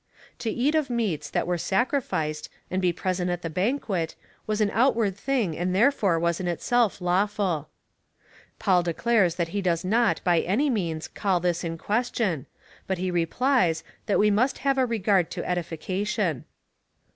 " To eat of meats that were sacrificed, and be present at the banquet, was an out ward thing, and therefore was in itself lawful."' Paul de clares that he does not by any means call this in question, but he replies, that we must have a regard to edification.